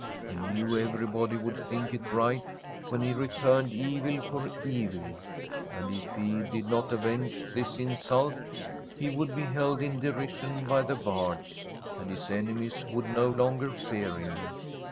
He knew everybody would think it ri^ht when he returned evil for evil, and if he did not avenge this insult, he would be held in derision by the Bards, and his enemies would no longer fear him.